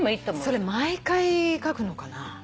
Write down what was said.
それ毎回書くのかな？